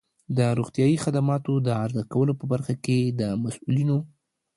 د روغتیایی خدماتو د عرضه کولو په برخه کې د مسؤلینو